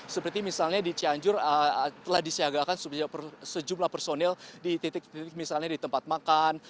seperti misalnya di cianjur telah disiagakan sejumlah personil di titik titik misalnya di tempat makan